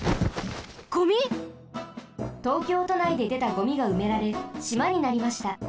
ゴミ？東京都内ででたゴミがうめられしまになりました。